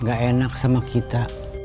nggak enak sama kita